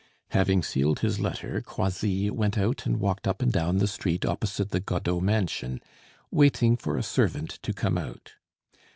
Having sealed his letter, Croisilles went out and walked up and down the street opposite the Godeau mansion, waiting for a servant to come out.